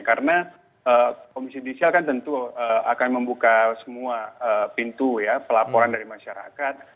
karena komisi judicial kan tentu akan membuka semua pintu ya pelaporan dari masyarakat